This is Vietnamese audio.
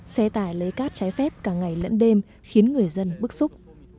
xe tải lấy cát trái phép cả ngày lẫn đêm khiến người dân bức xúc